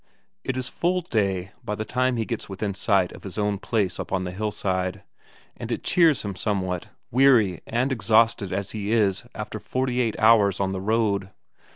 It is full day by the time he gets within sight of his own place up on the hillside, and it cheers him somewhat, weary and exhausted as he is after forty eight hours on the road.